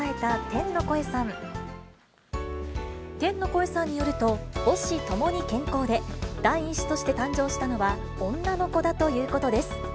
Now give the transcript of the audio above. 天の声さんによると、母子ともに健康で、第１子として誕生したのは女の子だということです。